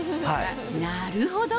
なるほど。